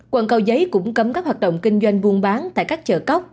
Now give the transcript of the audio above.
quận cầu giấy cũng cấm các hoạt động kinh doanh buôn bán tại các chợ cóc